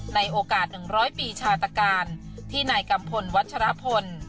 ในโอกาส๑๐๐ปีชาตการที่นายกัมพลวัชรพล